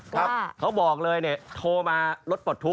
เขาบอกเลยเนี่ยโทรมารถปลดทุกข